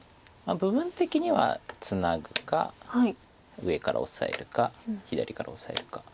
部分的にはツナぐか上からオサえるか左からオサえるか。